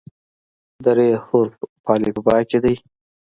د "ر" حرف په الفبا کې دی.